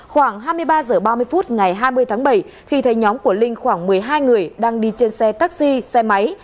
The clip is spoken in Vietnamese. khoảng hai mươi ba h ba mươi phút ngày hai mươi tháng bảy khi thấy nhóm của linh khoảng một mươi hai người đang đi trên xe taxi xe máy